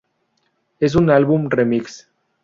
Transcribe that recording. Es un álbum remix.